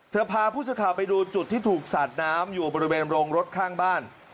พาผู้สื่อข่าวไปดูจุดที่ถูกสาดน้ำอยู่บริเวณโรงรถข้างบ้าน